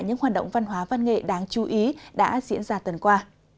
những hoạt động văn hóa văn nghệ đáng chú ý đã diễn ra tuần qua